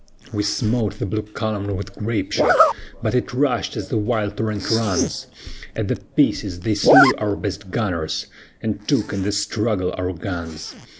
"We smote the blue column with grape shot, But it rushed as the wild torrent runs; At the pieces they slew our best gunners, And took in the struggle our guns.